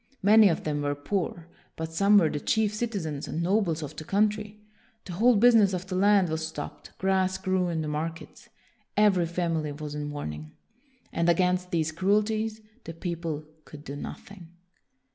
Many of them were poor; but some were the chief citizens and nobles of the coun try. The whole business of the land was stopped; grass grew in the markets. Every family was in mourning. And against these cruelties the people could do nothing.